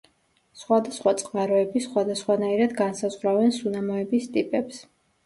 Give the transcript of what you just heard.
სხვადასხვა წყაროები სხვადასხვანაირად განსაზღვრავენ სუნამოების ტიპებს.